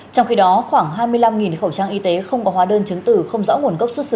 trong khi đó khoảng hai mươi năm khẩu trang y tế không có hóa đơn chứng tử